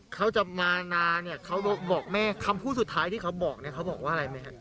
เขาจะมานาเนี่ยเขาบอกแม่คำพูดสุดท้ายที่เขาบอกเนี่ยเขาบอกว่าอะไรไหมฮะ